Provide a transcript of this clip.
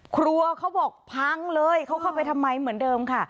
เขาบอกพังเลยเขาเข้าไปทำไมเหมือนเดิมค่ะ